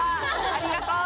ありがとう！